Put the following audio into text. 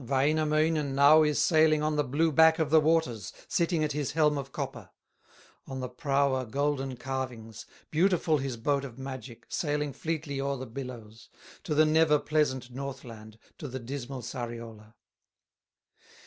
Wainamoinen now is sailing On the blue back of the waters, Sitting at his helm of copper; On the prow are golden carvings, Beautiful his boat of magic, Sailing fleetly o'er the billows, To the never pleasant Northland, To the dismal Sariola."